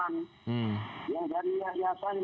yang dari yayasan